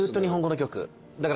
だから。